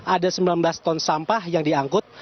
ada sembilan belas ton sampah yang diangkut